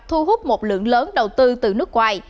thu hút một lượng lớn đầu tư từ nước ngoài